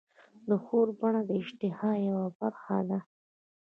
د خوړو بڼه د اشتها یوه برخه ده.